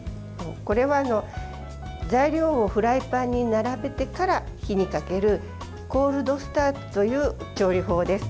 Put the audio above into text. これは、材料をフライパンに並べてから火にかけるコールドスタートという調理法です。